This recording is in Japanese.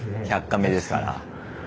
「１００カメ」ですから。